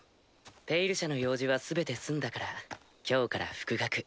「ペイル社」の用事は全て済んだから今日から復学。